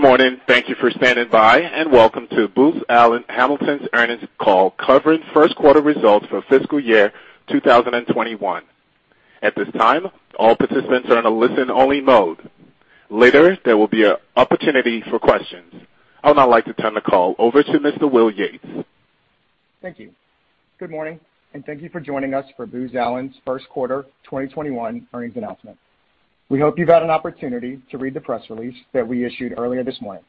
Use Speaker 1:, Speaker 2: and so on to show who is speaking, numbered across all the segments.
Speaker 1: Good morning. Thank you for standing by, and welcome to Booz Allen Hamilton's Earnings Call, covering first quarter results for fiscal year 2021. At this time, all participants are in a listen-only mode. Later, there will be an opportunity for questions. I would now like to turn the call over to Mr. Will Yates.
Speaker 2: Thank you. Good morning, and thank you for joining us for Booz Allen's first quarter 2021 earnings announcement. We hope you've had an opportunity to read the press release that we issued earlier this morning.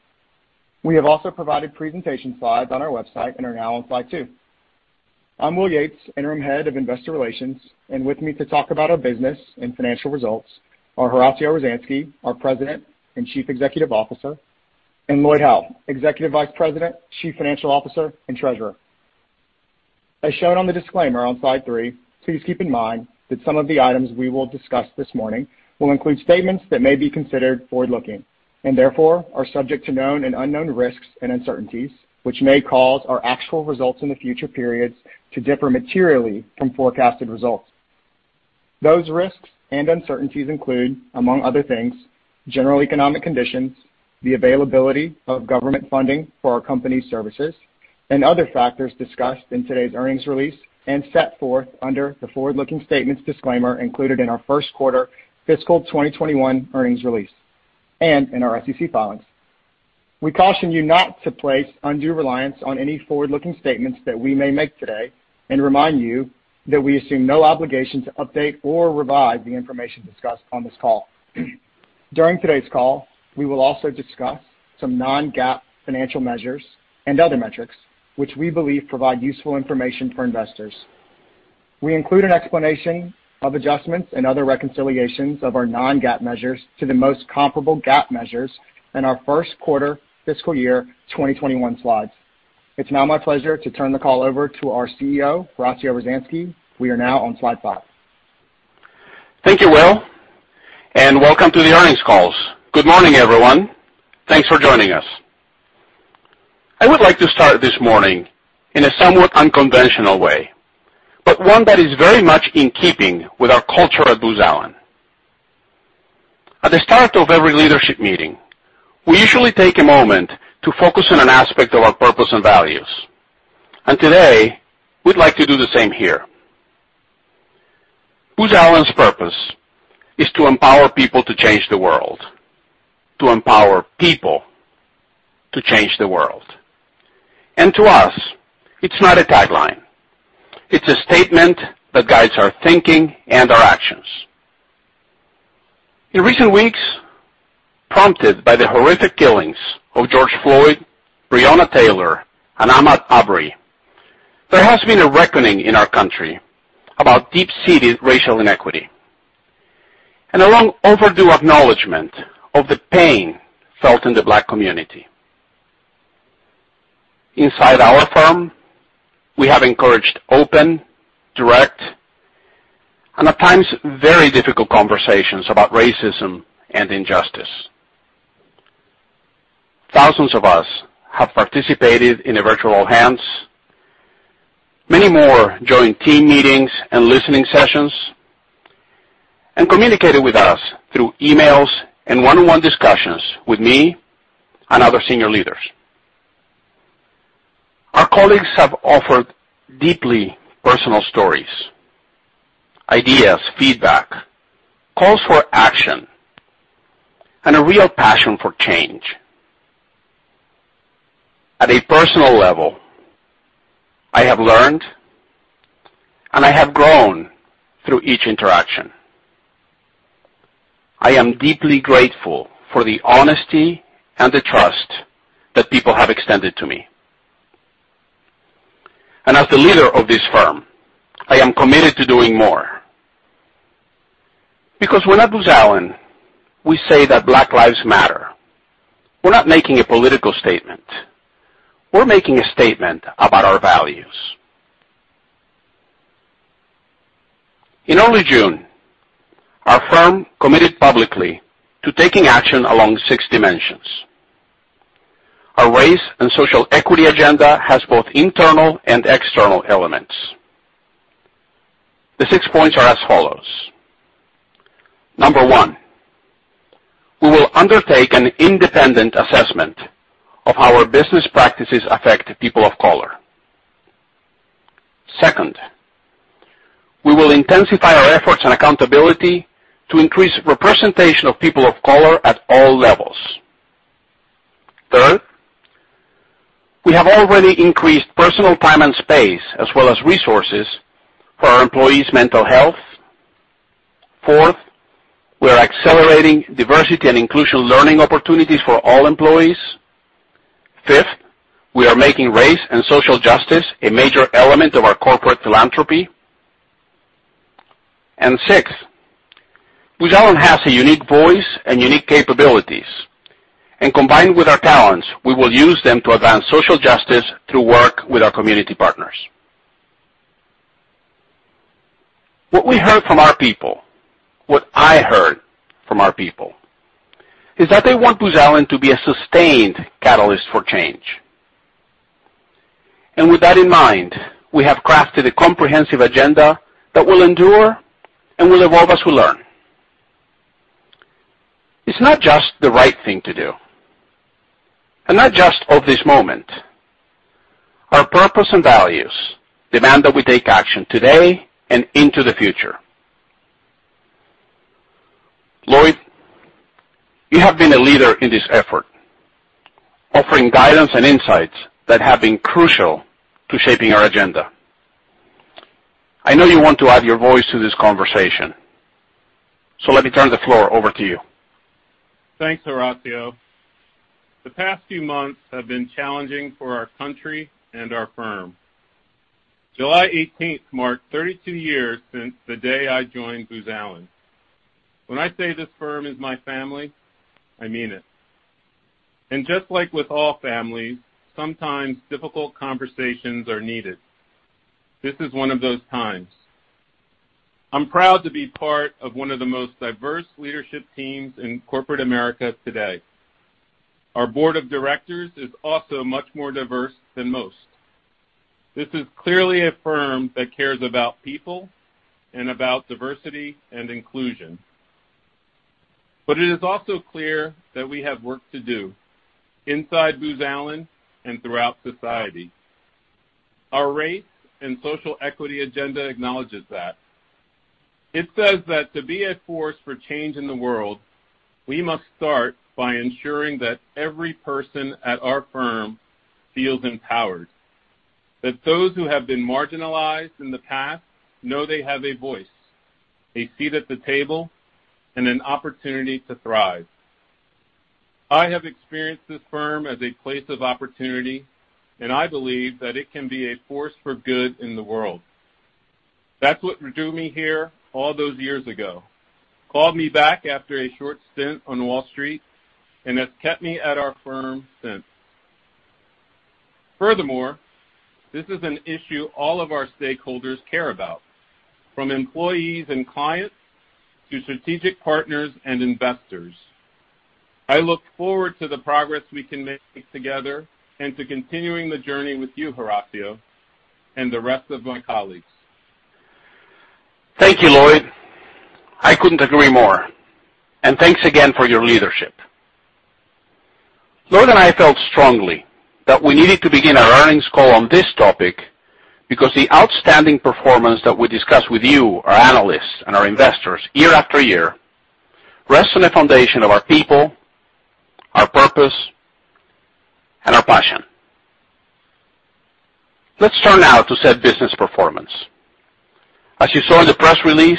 Speaker 2: We have also provided presentation slides on our website and are now on slide two. I'm Will Yates, Interim Head of Investor Relations, and with me to talk about our business and financial results are Horacio Rozanski, our President and Chief Executive Officer, and Lloyd Howell, Executive Vice President, Chief Financial Officer, and Treasurer. As shown on the disclaimer on slide three, please keep in mind that some of the items we will discuss this morning will include statements that may be considered forward-looking and therefore are subject to known and unknown risks and uncertainties, which may cause our actual results in the future periods to differ materially from forecasted results. Those risks and uncertainties include, among other things, general economic conditions, the availability of government funding for our company's services, and other factors discussed in today's earnings release and set forth under the forward-looking statements disclaimer included in our first quarter fiscal 2021 earnings release and in our SEC filings. We caution you not to place undue reliance on any forward-looking statements that we may make today and remind you that we assume no obligation to update or revise the information discussed on this call. During today's call, we will also discuss some non-GAAP financial measures and other metrics, which we believe provide useful information for investors. We include an explanation of adjustments and other reconciliations of our non-GAAP measures to the most comparable GAAP measures in our first quarter fiscal year 2021 slides. It's now my pleasure to turn the call over to our CEO, Horacio Rozanski. We are now on slide five.
Speaker 3: Thank you, Will, and welcome to the earnings calls. Good morning, everyone. Thanks for joining us. I would like to start this morning in a somewhat unconventional way, but one that is very much in keeping with our culture at Booz Allen. At the start of every leadership meeting, we usually take a moment to focus on an aspect of our purpose and values, and today we'd like to do the same here. Booz Allen's purpose is to empower people to change the world, to empower people to change the world, and to us, it's not a tagline. It's a statement that guides our thinking and our actions. In recent weeks, prompted by the horrific killings of George Floyd, Breonna Taylor, and Ahmaud Arbery, there has been a reckoning in our country about deep-seated racial inequity and a long overdue acknowledgment of the pain felt in the Black community. Inside our firm, we have encouraged open, direct, and at times very difficult conversations about racism and injustice. Thousands of us have participated in a virtual all-hands, many more joined team meetings and listening sessions, and communicated with us through emails and one-on-one discussions with me and other senior leaders. Our colleagues have offered deeply personal stories, ideas, feedback, calls for action, and a real passion for change. At a personal level, I have learned, and I have grown through each interaction. I am deeply grateful for the honesty and the trust that people have extended to me. And as the leader of this firm, I am committed to doing more. Because when at Booz Allen, we say that Black lives matter, we're not making a political statement. We're making a statement about our values. In early June, our firm committed publicly to taking action along six dimensions. Our race and social equity agenda has both internal and external elements. The six points are as follows. Number one, we will undertake an independent assessment of how our business practices affect people of color. Second, we will intensify our efforts and accountability to increase representation of people of color at all levels. Third, we have already increased personal time and space as well as resources for our employees' mental health. Fourth, we are accelerating diversity and inclusion learning opportunities for all employees. Fifth, we are making race and social justice a major element of our corporate philanthropy and sixth, Booz Allen has a unique voice and unique capabilities, and combined with our talents, we will use them to advance social justice through work with our community partners. What we heard from our people, what I heard from our people, is that they want Booz Allen to be a sustained catalyst for change. And with that in mind, we have crafted a comprehensive agenda that will endure and will evolve as we learn. It's not just the right thing to do, and not just of this moment. Our purpose and values demand that we take action today and into the future. Lloyd, you have been a leader in this effort, offering guidance and insights that have been crucial to shaping our agenda. I know you want to add your voice to this conversation, so let me turn the floor over to you.
Speaker 4: Thanks, Horacio. The past few months have been challenging for our country and our firm. July 18th marked 32 years since the day I joined Booz Allen. When I say this firm is my family, I mean it, and just like with all families, sometimes difficult conversations are needed. This is one of those times. I'm proud to be part of one of the most diverse leadership teams in corporate America today. Our board of directors is also much more diverse than most. This is clearly a firm that cares about people and about diversity and inclusion, but it is also clear that we have work to do inside Booz Allen and throughout society. Our race and social equity agenda acknowledges that. It says that to be a force for change in the world, we must start by ensuring that every person at our firm feels empowered, that those who have been marginalized in the past know they have a voice, a seat at the table, and an opportunity to thrive. I have experienced this firm as a place of opportunity, and I believe that it can be a force for good in the world. That's what drew me here all those years ago, called me back after a short stint on Wall Street, and has kept me at our firm since. Furthermore, this is an issue all of our stakeholders care about, from employees and clients to strategic partners and investors. I look forward to the progress we can make together and to continuing the journey with you, Horacio, and the rest of my colleagues.
Speaker 3: Thank you, Lloyd. I couldn't agree more, and thanks again for your leadership. Lloyd and I felt strongly that we needed to begin our earnings call on this topic because the outstanding performance that we discuss with you, our analysts, and our investors year after year rests on the foundation of our people, our purpose, and our passion. Let's turn now to our business performance. As you saw in the press release,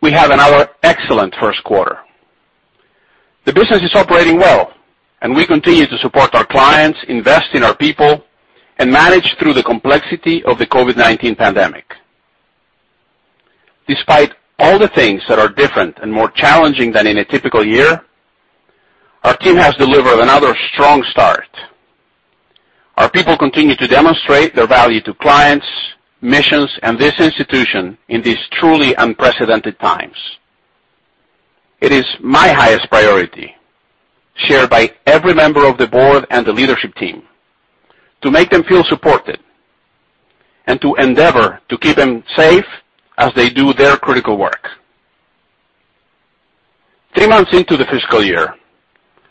Speaker 3: we had another excellent first quarter. The business is operating well, and we continue to support our clients, invest in our people, and manage through the complexity of the COVID-19 pandemic. Despite all the things that are different and more challenging than in a typical year, our team has delivered another strong start. Our people continue to demonstrate their value to clients, missions, and this institution in these truly unprecedented times. It is my highest priority, shared by every member of the board and the leadership team, to make them feel supported and to endeavor to keep them safe as they do their critical work. Three months into the fiscal year,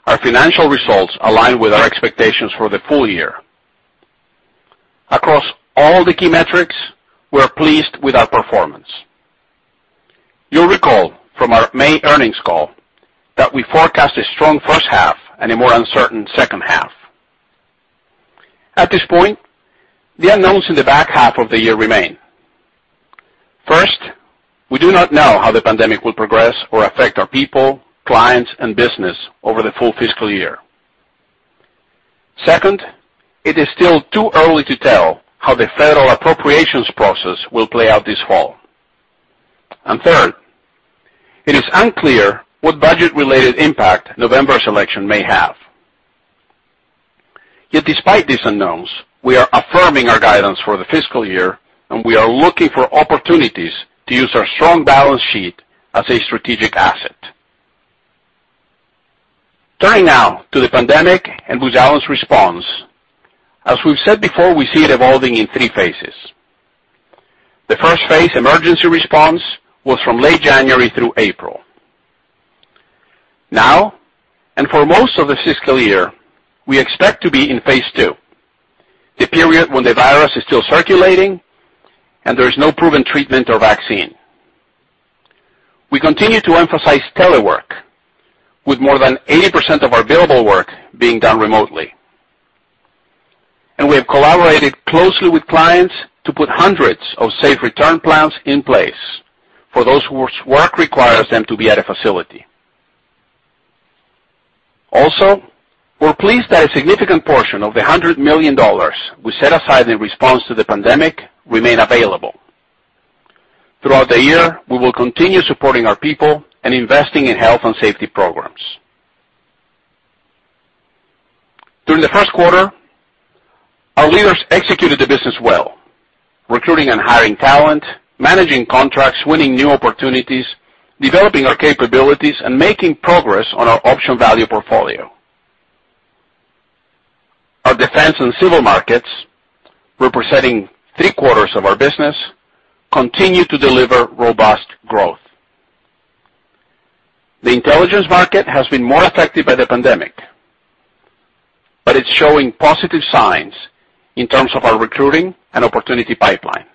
Speaker 3: our financial results align with our expectations for the full year. Across all the key metrics, we're pleased with our performance. You'll recall from our May earnings call that we forecast a strong first half and a more uncertain second half. At this point, the unknowns in the back half of the year remain. First, we do not know how the pandemic will progress or affect our people, clients, and business over the full fiscal year. Second, it is still too early to tell how the federal appropriations process will play out this fall. And third, it is unclear what budget-related impact November's election may have. Yet despite these unknowns, we are affirming our guidance for the fiscal year, and we are looking for opportunities to use our strong balance sheet as a strategic asset. Turning now to the pandemic and Booz Allen's response, as we've said before, we see it evolving in three phases. The first phase, emergency response, was from late January through April. Now, and for most of the fiscal year, we expect to be in phase two, the period when the virus is still circulating and there is no proven treatment or vaccine. We continue to emphasize telework, with more than 80% of our billable work being done remotely. And we have collaborated closely with clients to put hundreds of safe return plans in place for those whose work requires them to be at a facility. Also, we're pleased that a significant portion of the $100 million we set aside in response to the pandemic remains available. Throughout the year, we will continue supporting our people and investing in health and safety programs. During the first quarter, our leaders executed the business well, recruiting and hiring talent, managing contracts, winning new opportunities, developing our capabilities, and making progress on our Option Value portfolio. Our Defense and Civil markets, representing three quarters of our business, continue to deliver robust growth. The Intelligence market has been more affected by the pandemic, but it's showing positive signs in terms of our recruiting and opportunity pipeline,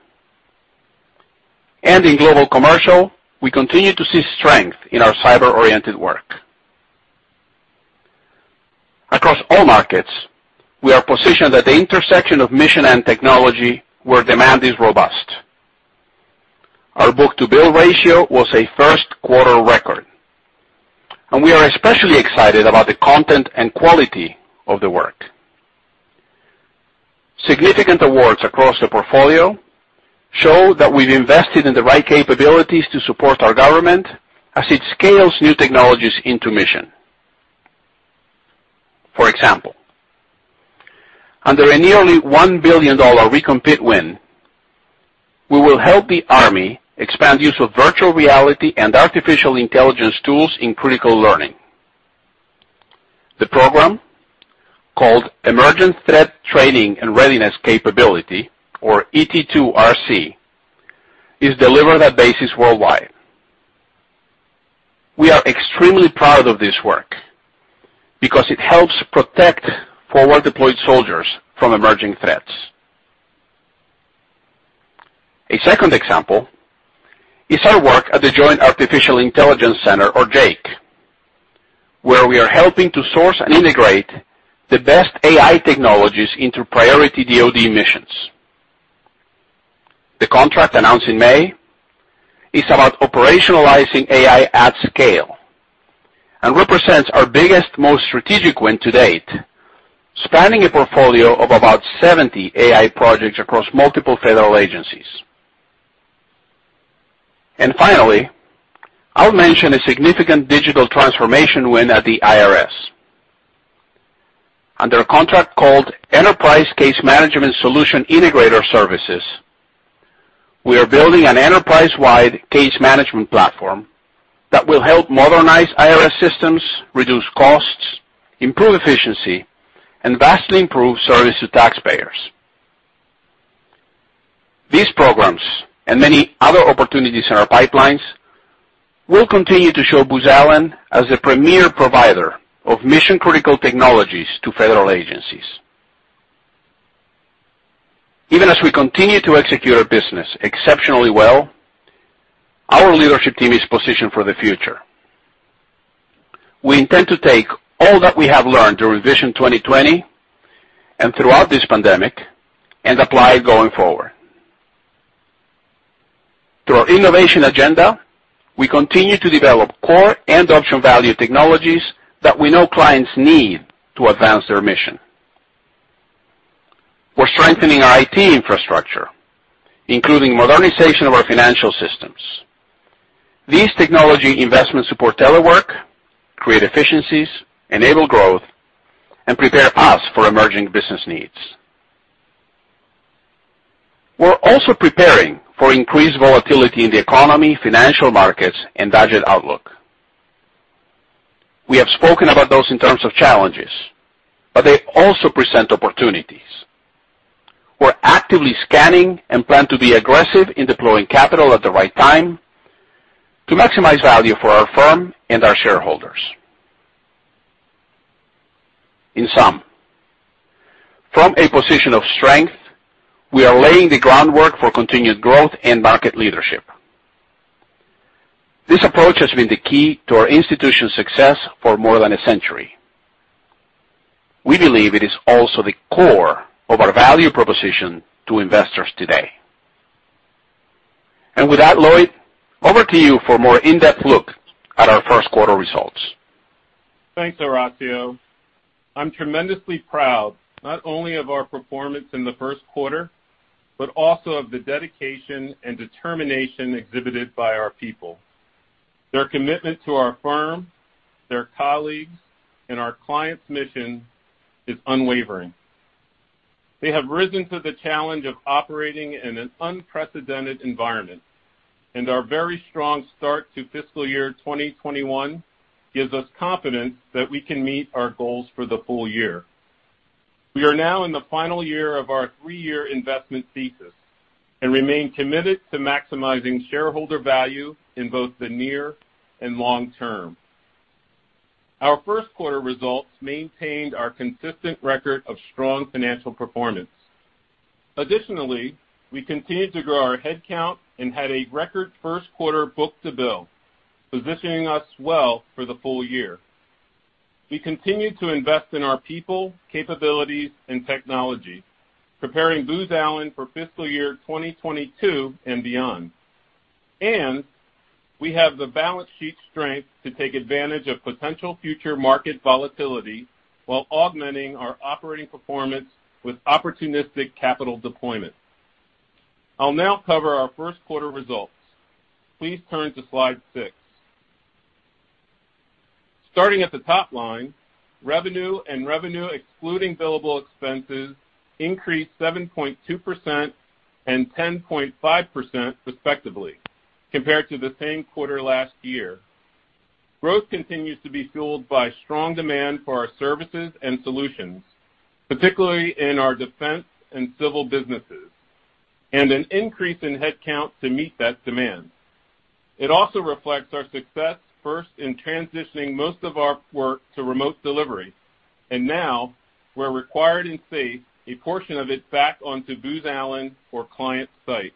Speaker 3: and in Global Commercial, we continue to see strength in our cyber-oriented work. Across all markets, we are positioned at the intersection of mission and technology where demand is robust. Our book-to-bill ratio was a first-quarter record, and we are especially excited about the content and quality of the work. Significant awards across the portfolio show that we've invested in the right capabilities to support our government as it scales new technologies into mission. For example, under a nearly $1 billion recompete win, we will help the Army expand the use of virtual reality and artificial Intelligence tools in critical learning. The program, called Emergency Threat Training and Readiness Capability, or ET2RC, is delivered at bases worldwide. We are extremely proud of this work because it helps protect forward-deployed soldiers from emerging threats. A second example is our work at the Joint Artificial Intelligence Center, or JAIC, where we are helping to source and integrate the best AI technologies into priority DoD missions. The contract announced in May is about operationalizing AI at scale and represents our biggest, most strategic win to date, spanning a portfolio of about 70 AI projects across multiple federal agencies, and finally, I'll mention a significant digital transformation win at the IRS. Under a contract called Enterprise Case Management Solution Integrator Services, we are building an enterprise-wide case management platform that will help modernize IRS systems, reduce costs, improve efficiency, and vastly improve service to taxpayers. These programs and many other opportunities in our pipelines will continue to show Booz Allen as the premier provider of mission-critical technologies to federal agencies. Even as we continue to execute our business exceptionally well, our leadership team is positioned for the future. We intend to take all that we have learned during Vision 2020 and throughout this pandemic and apply it going forward. Through our innovation agenda, we continue to develop core and option value technologies that we know clients need to advance their mission. We're strengthening our IT infrastructure, including modernization of our financial systems. These technology investments support telework, create efficiencies, enable growth, and prepare us for emerging business needs. We're also preparing for increased volatility in the economy, financial markets, and budget outlook. We have spoken about those in terms of challenges, but they also present opportunities. We're actively scanning and plan to be aggressive in deploying capital at the right time to maximize value for our firm and our shareholders. In sum, from a position of strength, we are laying the groundwork for continued growth and market leadership. This approach has been the key to our institution's success for more than a century. We believe it is also the core of our value proposition to investors today. With that, Lloyd, over to you for a more in-depth look at our first-quarter results.
Speaker 4: Thanks, Horacio. I'm tremendously proud not only of our performance in the first quarter, but also of the dedication and determination exhibited by our people. Their commitment to our firm, their colleagues, and our clients' mission is unwavering. They have risen to the challenge of operating in an unprecedented environment, and our very strong start to fiscal year 2021 gives us confidence that we can meet our goals for the full year. We are now in the final year of our three-year investment thesis and remain committed to maximizing shareholder value in both the near and long term. Our first-quarter results maintained our consistent record of strong financial performance. Additionally, we continued to grow our headcount and had a record first-quarter book-to-bill, positioning us well for the full year. We continue to invest in our people, capabilities, and technology, preparing Booz Allen for fiscal year 2022 and beyond. And we have the balance sheet strength to take advantage of potential future market volatility while augmenting our operating performance with opportunistic capital deployment. I'll now cover our first-quarter results. Please turn to slide six. Starting at the top line, revenue and revenue excluding billable expenses increased 7.2% and 10.5%, respectively, compared to the same quarter last year. Growth continues to be fueled by strong demand for our services and solutions, particularly in our defense and civil businesses, and an increase in headcount to meet that demand. It also reflects our success first in transitioning most of our work to remote delivery, and now we're required to see a portion of it back onto Booz Allen or client site.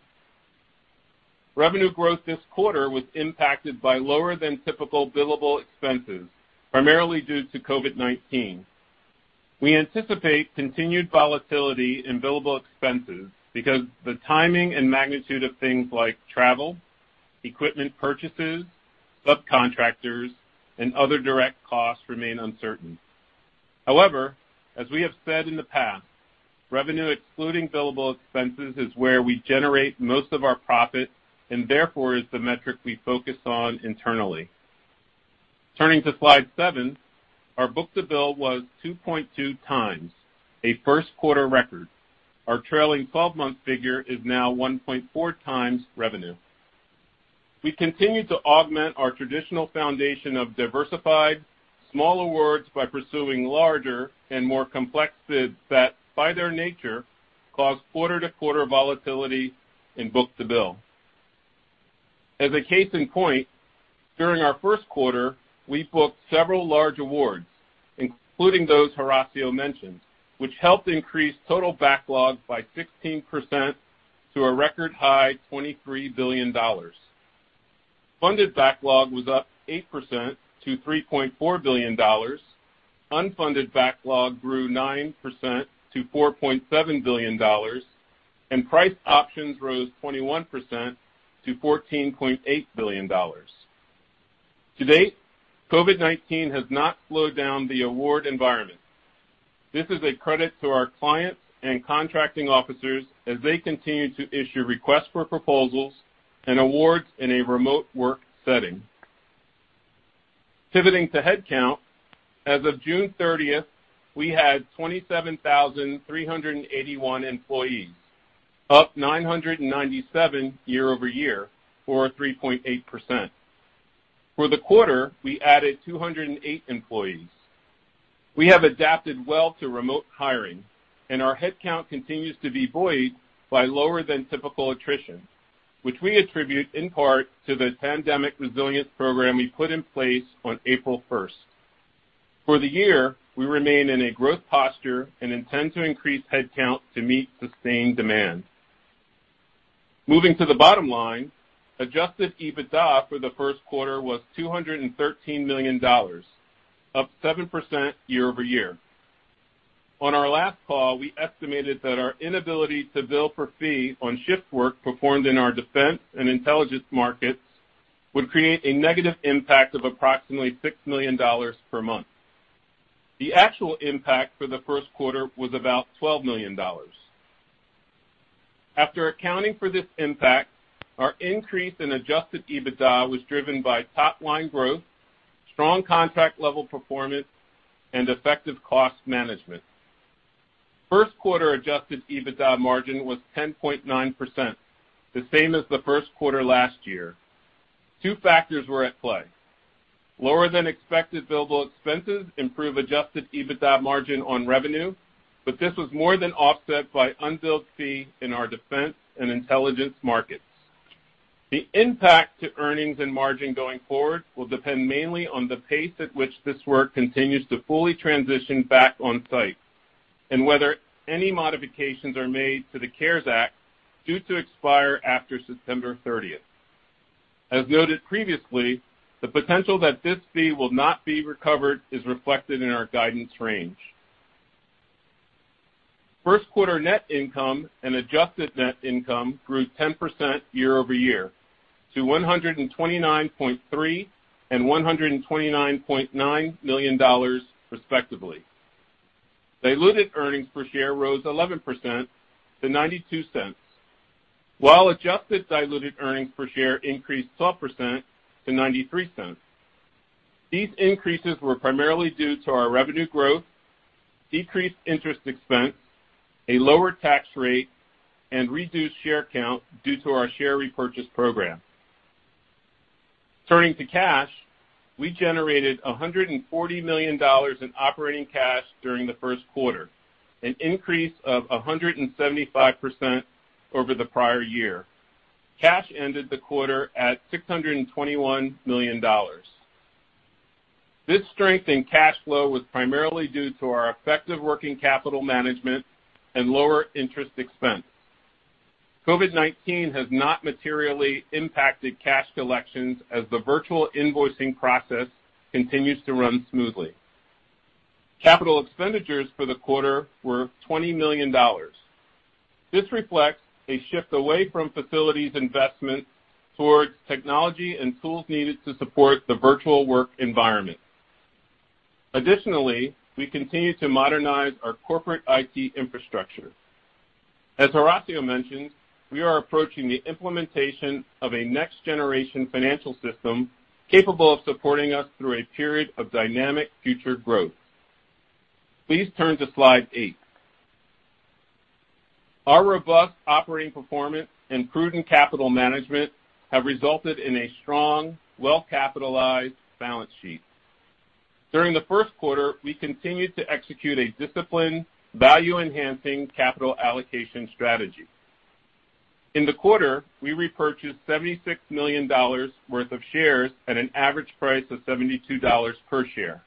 Speaker 4: Revenue growth this quarter was impacted by lower than typical billable expenses, primarily due to COVID-19. We anticipate continued volatility in billable expenses because the timing and magnitude of things like travel, equipment purchases, subcontractors, and other direct costs remain uncertain. However, as we have said in the past, revenue excluding billable expenses is where we generate most of our profit and therefore is the metric we focus on internally. Turning to slide seven, our book-to-bill was 2.2 times a first-quarter record. Our trailing 12-month figure is now 1.4 times revenue. We continue to augment our traditional foundation of diversified, small awards by pursuing larger and more complex bids that, by their nature, cause quarter-to-quarter volatility in book-to-bill. As a case in point, during our first quarter, we booked several large awards, including those Horacio mentioned, which helped increase total backlog by 16% to a record high, $23 billion. Funded backlog was up 8% to $3.4 billion. Unfunded backlog grew 9% to $4.7 billion, and priced options rose 21% to $14.8 billion. To date, COVID-19 has not slowed down the award environment. This is a credit to our clients and contracting officers as they continue to issue requests for proposals and awards in a remote work setting. Pivoting to headcount, as of 30th June, we had 27,381 employees, up 997 year over year for 3.8%. For the quarter, we added 208 employees. We have adapted well to remote hiring, and our headcount continues to be buoyed by lower than typical attrition, which we attribute in part to the pandemic resilience program we put in place on 1st April. For the year, we remain in a growth posture and intend to increase headcount to meet sustained demand. Moving to the bottom line, Adjusted EBITDA for the first quarter was $213 million, up 7% year over year. On our last call, we estimated that our inability to bill for fee on shift work performed in our defense and intelligence markets would create a negative impact of approximately $6 million per month. The actual impact for the first quarter was about $12 million. After accounting for this impact, our increase in Adjusted EBITDA was driven by top-line growth, strong contract-level performance, and effective cost management. First-quarter Adjusted EBITDA margin was 10.9%, the same as the first quarter last year. Two factors were at play. Lower than expected billable expenses improve Adjusted EBITDA margin on revenue, but this was more than offset by unbilled fee in our defense and intelligence markets. The impact to earnings and margin going forward will depend mainly on the pace at which this work continues to fully transition back on site and whether any modifications are made to the CARES Act due to expire after September 30th. As noted previously, the potential that this fee will not be recovered is reflected in our guidance range. First-quarter net income and adjusted net income grew 10% year over year to $129.3 and $129.9 million, respectively. Diluted earnings per share rose 11% to $0.92, while adjusted diluted earnings per share increased 12% to $0.93. These increases were primarily due to our revenue growth, decreased interest expense, a lower tax rate, and reduced share count due to our share repurchase program. Turning to cash, we generated $140 million in operating cash during the first quarter, an increase of 175% over the prior year. Cash ended the quarter at $621 million. This strength in cash flow was primarily due to our effective working capital management and lower interest expense. COVID-19 has not materially impacted cash collections as the virtual invoicing process continues to run smoothly. Capital expenditures for the quarter were $20 million. This reflects a shift away from facilities investment towards technology and tools needed to support the virtual work environment. Additionally, we continue to modernize our corporate IT infrastructure. As Horacio mentioned, we are approaching the implementation of a next-generation financial system capable of supporting us through a period of dynamic future growth. Please turn to slide eight. Our robust operating performance and prudent capital management have resulted in a strong, well-capitalized balance sheet. During the first quarter, we continued to execute a disciplined, value-enhancing capital allocation strategy. In the quarter, we repurchased $76 million worth of shares at an average price of $72 per share.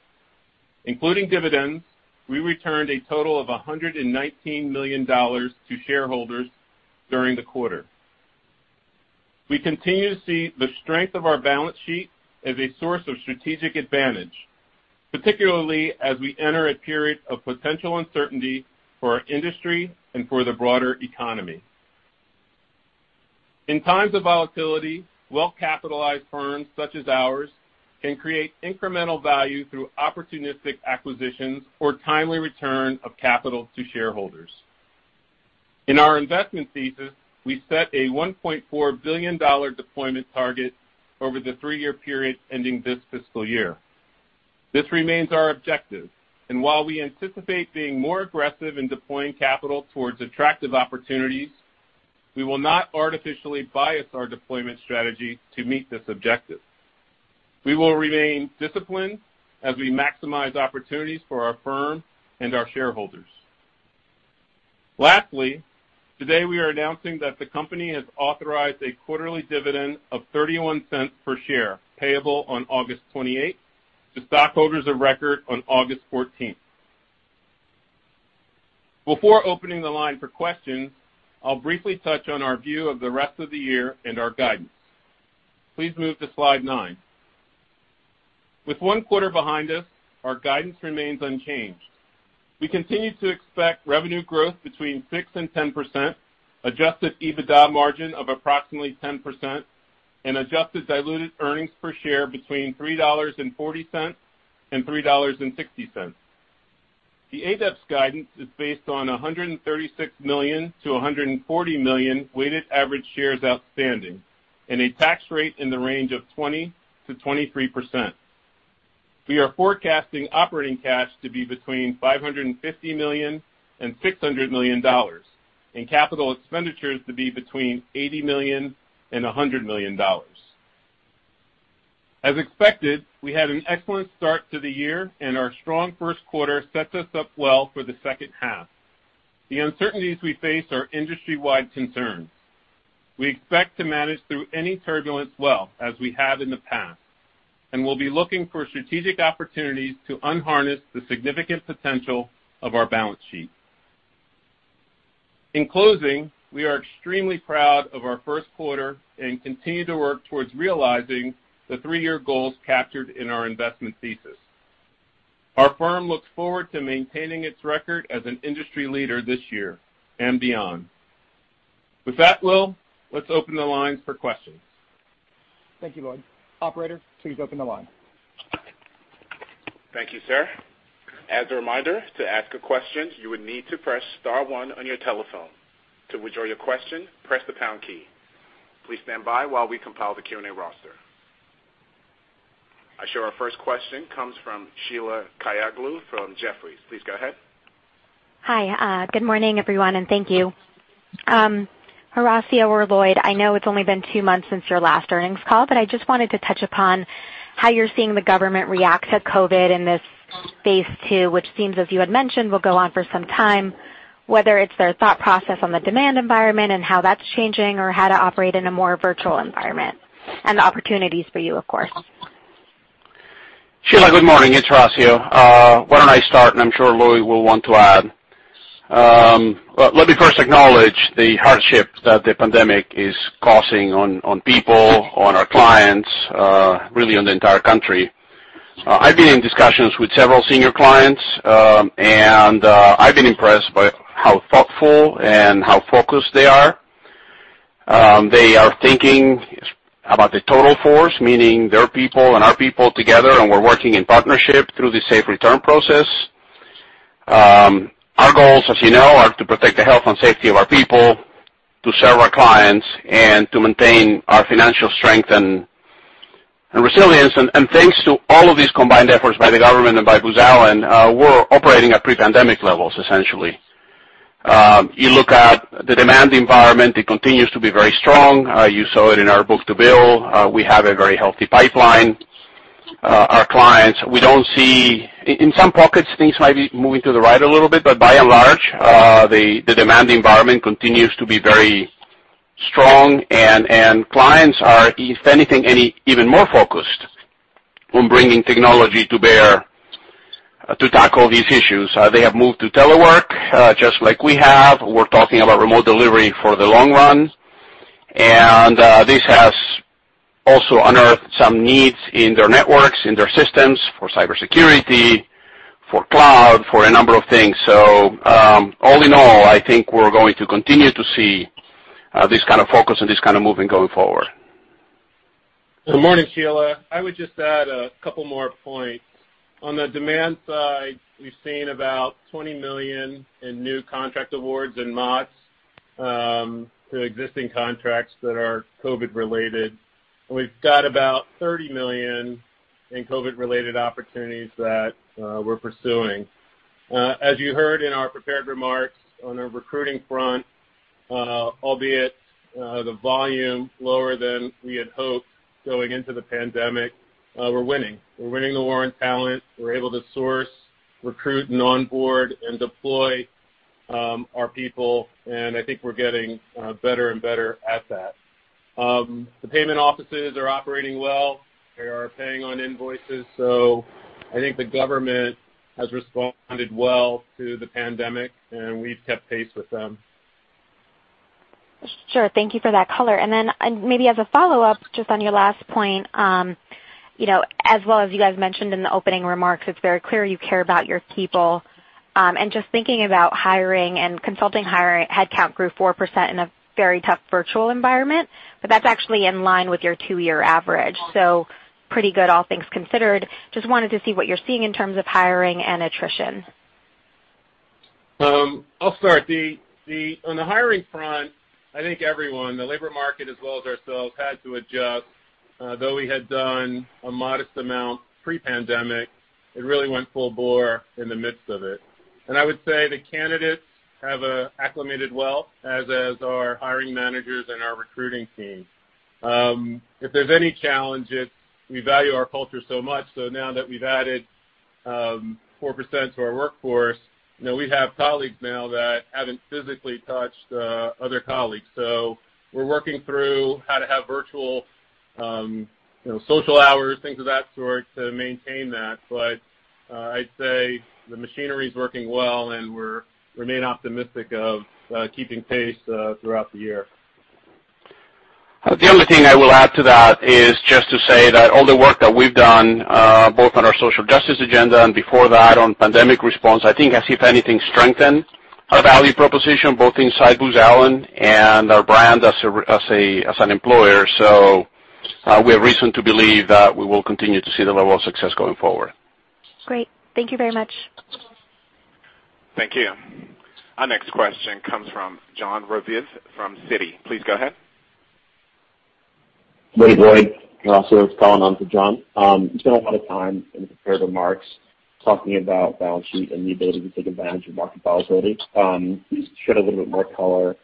Speaker 4: Including dividends, we returned a total of $119 million to shareholders during the quarter. We continue to see the strength of our balance sheet as a source of strategic advantage, particularly as we enter a period of potential uncertainty for our industry and for the broader economy. In times of volatility, well-capitalized firms such as ours can create incremental value through opportunistic acquisitions or timely return of capital to shareholders. In our investment thesis, we set a $1.4 billion deployment target over the three-year period ending this fiscal year. This remains our objective, and while we anticipate being more aggressive in deploying capital towards attractive opportunities, we will not artificially bias our deployment strategy to meet this objective. We will remain disciplined as we maximize opportunities for our firm and our shareholders. Lastly, today we are announcing that the company has authorized a quarterly dividend of $0.31 per share payable on August 28th to stockholders of record on August 14th. Before opening the line for questions, I'll briefly touch on our view of the rest of the year and our guidance. Please move to slide nine. With one quarter behind us, our guidance remains unchanged. We continue to expect revenue growth between 6% to 10%, adjusted EBITDA margin of approximately 10%, and adjusted diluted earnings per share between $3.40 to $3.60. The ADEPS guidance is based on $136 million to $140 million weighted average shares outstanding and a tax rate in the range of 20% to 23%. We are forecasting operating cash to be between $550 million to $600 million and capital expenditures to be between $80 million to $100 million. As expected, we had an excellent start to the year, and our strong first quarter sets us up well for the second half. The uncertainties we face are industry-wide concerns. We expect to manage through any turbulence well as we have in the past, and we'll be looking for strategic opportunities to unleash the significant potential of our balance sheet. In closing, we are extremely proud of our first quarter and continue to work towards realizing the three-year goals captured in our investment thesis. Our firm looks forward to maintaining its record as an industry leader this year and beyond. With that, Will, let's open the lines for questions.
Speaker 2: Thank you, Lloyd. Operator, please open the line.
Speaker 1: Thank you, sir. As a reminder, to ask a question, you would need to press star one on your telephone. To withdraw your question, press the pound key. Please stand by while we compile the Q&A roster. I show our first question comes from Sheila Kahyaoglu from Jefferies. Please go ahead.
Speaker 5: Hi. Good morning, everyone, and thank you. Horacio or Lloyd, I know it's only been two months since your last earnings call, but I just wanted to touch upon how you're seeing the government react to COVID in this phase two, which seems, as you had mentioned, will go on for some time, whether it's their thought process on the demand environment and how that's changing or how to operate in a more virtual environment and the opportunities for you, of course.
Speaker 3: Sheila, good morning. It's Horacio. Why don't I start, and I'm sure Lloyd will want to add. Let me first acknowledge the hardship that the pandemic is causing on people, on our clients, really on the entire country. I've been in discussions with several senior clients, and I've been impressed by how thoughtful and how focused they are. They are thinking about the total force, meaning their people and our people together, and we're working in partnership through the safe return process. Our goals, as you know, are to protect the health and safety of our people, to serve our clients. And to maintain our financial strength and resilience, and thanks to all of these combined efforts by the government and by Booz Allen, we're operating at pre-pandemic levels, essentially. You look at the demand environment. It continues to be very strong. You saw it in our book-to-bill. We have a very healthy pipeline. Our clients, we don't see in some pockets, things might be moving to the right a little bit, but by and large, the demand environment continues to be very strong, and clients are, if anything, even more focused on bringing technology to bear to tackle these issues. They have moved to telework, just like we have. We're talking about remote delivery for the long run, and this has also unearthed some needs in their networks, in their systems for cybersecurity, for cloud, for a number of things. So all in all, I think we're going to continue to see this kind of focus and this kind of movement going forward.
Speaker 4: Good morning, Sheila. I would just add a couple more points. On the demand side, we've seen about $20 million in new contract awards and MOTS to existing contracts that are COVID-related. We've got about $30 million in COVID-related opportunities that we're pursuing. As you heard in our prepared remarks on our recruiting front, albeit the volume lower than we had hoped going into the pandemic, we're winning. We're winning the war on talent. We're able to source, recruit, and onboard and deploy our people, and I think we're getting better and better at that. The payment offices are operating well. They are paying on invoices. So I think the government has responded well to the pandemic, and we've kept pace with them.
Speaker 5: Sure. Thank you for that color. And then maybe as a follow-up, just on your last point, as well as you guys mentioned in the opening remarks, it's very clear you care about your people. Just thinking about hiring and consulting hiring, headcount grew 4% in a very tough virtual environment, but that's actually in line with your two-year average. Pretty good, all things considered. Just wanted to see what you're seeing in terms of hiring and attrition.
Speaker 4: I'll start. On the hiring front, I think everyone, the labor market as well as ourselves, had to adjust. Though we had done a modest amount pre-pandemic, it really went full bore in the midst of it. I would say the candidates have acclimated well, as have our hiring managers and our recruiting team. If there's any challenge, it's we value our culture so much. Now that we've added 4% to our workforce, we have colleagues now that haven't physically touched other colleagues. We're working through how to have virtual social hours, things of that sort, to maintain that. But I'd say the machinery is working well, and we remain optimistic of keeping pace throughout the year.
Speaker 3: The only thing I will add to that is just to say that all the work that we've done, both on our social justice agenda and before that on pandemic response, I think has, if anything, strengthened our value proposition both inside Booz Allen and our brand as an employer. So we have reason to believe that we will continue to see the level of success going forward.
Speaker 5: Great. Thank you very much.
Speaker 1: Thank you. Our next question comes from Jon Raviv from Citi. Please go ahead.
Speaker 6: Hey, Lloyd. Horacio, calling on to John. Spent a lot of time in the prepared remarks talking about balance sheet and the ability to take advantage of market volatility. Just shed a little bit more color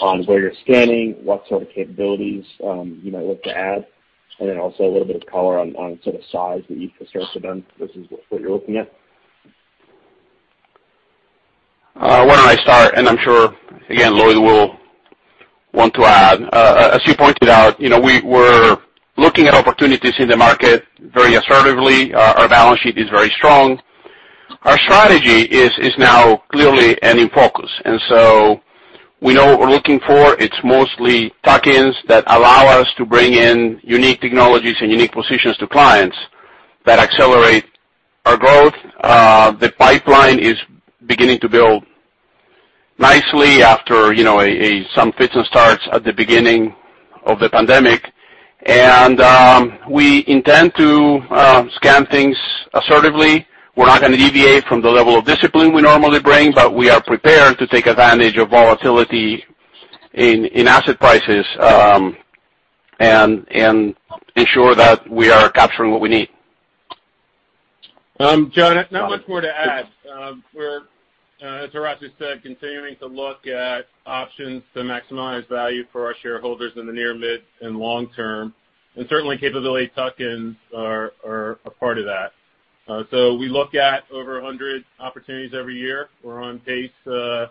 Speaker 6: on where you're standing, what sort of capabilities you might look to add, and then also a little bit of color on sort of size that you've acquired for them versus what you're looking at.
Speaker 3: Why don't I start, and I'm sure, again, Lloyd will want to add. As you pointed out, we're looking at opportunities in the market very assertively. Our balance sheet is very strong. Our strategy is now clearly in focus. And so we know what we're looking for. It's mostly tuck-ins that allow us to bring in unique technologies and unique positions to clients that accelerate our growth. The pipeline is beginning to build nicely after some fits and starts at the beginning of the pandemic. And we intend to scan things assertively. We're not going to deviate from the level of discipline we normally bring, but we are prepared to take advantage of volatility in asset prices and ensure that we are capturing what we need. John, not much more to add. As Horacio said, continuing to look at options to maximize value for our shareholders in the near, mid, and long term. And certainly, capability tuck-ins are a part of that. So we look at over 100 opportunities every year. We're on pace to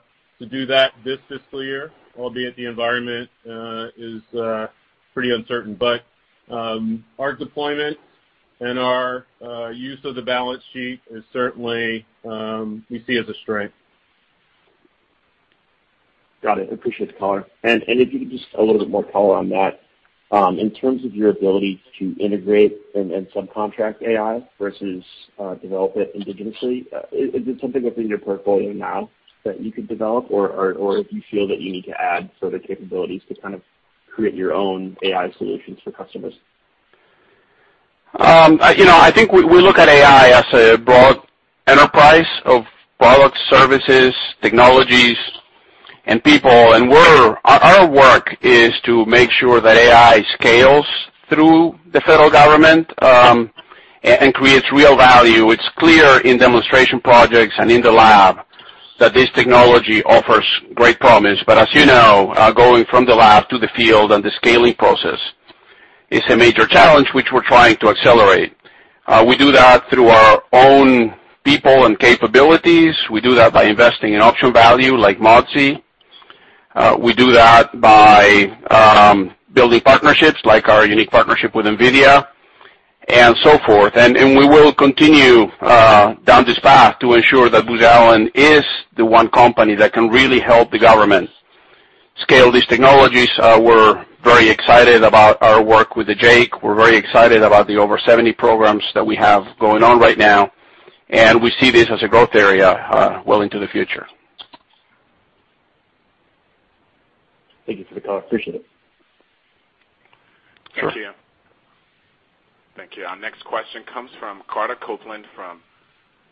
Speaker 3: do that this fiscal year, albeit the environment is pretty uncertain. But our deployment and our use of the balance sheet is certainly we see as a strength.
Speaker 6: Got it. Appreciate the hor. And if you could just a little bit more color on that, in terms of your ability to integrate and subcontract AI versus develop it indigenously, is it something within your portfolio now that you could develop, or do you feel that you need to add further capabilities to kind of create your own AI solutions for customers?
Speaker 3: I think we look at AI as a broad enterprise of products, services, technologies, and people. And our work is to make sure that AI scales through the federal government and creates real value. It's clear in demonstration projects and in the lab that this technology offers great promise. But as you know, going from the lab to the field and the scaling process is a major challenge, which we're trying to accelerate. We do that through our own people and capabilities. We do that by investing in Option Value like Modzy. We do that by building partnerships like our unique partnership with NVIDIA and so forth, and we will continue down this path to ensure that Booz Allen is the one company that can really help the government scale these technologies. We're very excited about our work with the JAIC. We're very excited about the over 70 programs that we have going on right now, and we see this as a growth area well into the future.
Speaker 6: Thank you for the call. Appreciate it.
Speaker 1: Sure. Thank you. Thank you. Our next question comes from Carter Copeland from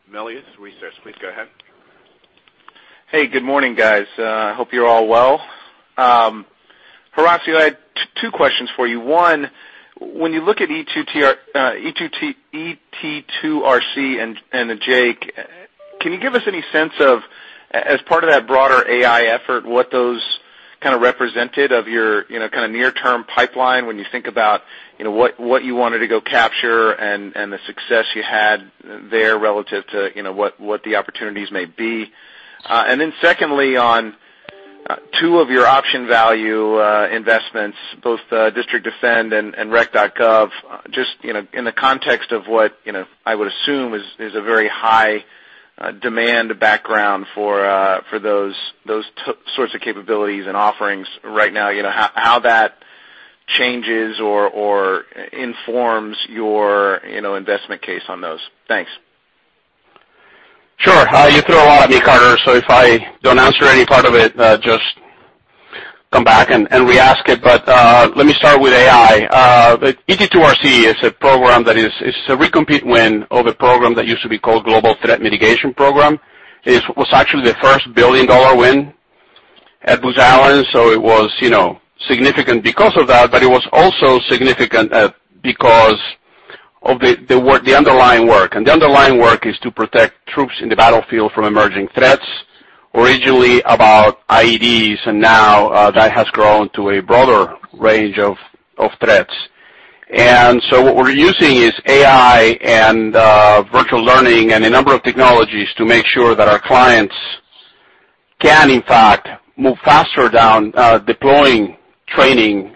Speaker 1: Melius Research. Please go ahead.
Speaker 7: Hey, good morning, guys. I hope you're all well. Horacio, I had two questions for you. One, when you look at ET2RC and the JAIC, can you give us any sense of, as part of that broader AI effort, what those kind of represented of your kind of near-term pipeline when you think about what you wanted to go capture and the success you had there relative to what the opportunities may be? And then secondly, on two of your option value investments, both District Defend and Rec.gov, just in the context of what I would assume is a very high demand background for those sorts of capabilities and offerings right now, how that changes or informs your investment case on those. Thanks. Sure. You threw a lot at me, Carter. So if I don't answer any part of it, just come back and re-ask it. But let me start with AI.
Speaker 3: ET2RC is a program that is a recompete win of a program that used to be called Global Threat Mitigation Program. It was actually the first billion-dollar win at Booz Allen, so it was significant because of that, but it was also significant because of the underlying work, and the underlying work is to protect troops in the battlefield from emerging threats. Originally about IEDs, and now that has grown to a broader range of threats, and so what we're using is AI and virtual learning and a number of technologies to make sure that our clients can, in fact, move faster down deploying training,